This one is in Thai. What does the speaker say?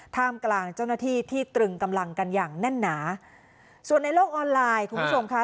ท่ามกลางเจ้าหน้าที่ที่ตรึงกำลังกันอย่างแน่นหนาส่วนในโลกออนไลน์คุณผู้ชมค่ะ